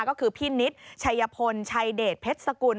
ก็คือพี่นิดชัยพลชัยเดชเพชรสกุล